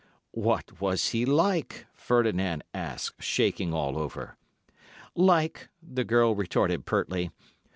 "What was he like?" Ferdinand asked, shaking all over. "Like," the girl retorted pertly.